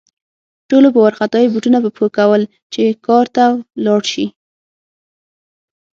ټولو په وارخطايي بوټونه په پښو کول چې کار ته لاړ شي